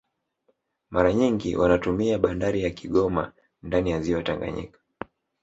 Mara nyingi wanatumia bandari ya Kigoma ndani ya ziwa Tanganyika